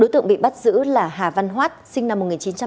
tưởng bị bắt giữ là hà văn hoát sinh năm một nghìn chín trăm tám mươi năm